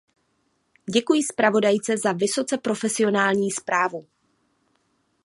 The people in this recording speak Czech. Děkuji zpravodajce za vysoce profesionální zprávu.